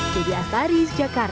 dari astaris jakarta